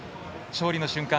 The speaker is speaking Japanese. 勝利の瞬間